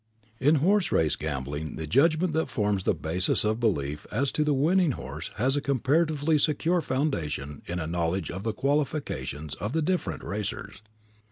In horse race gambling the judgment that forms the basis of belief as to the winning horse has a comparatively secure foundation in a knowledge of the qualifications of the different racers.